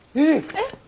えっ？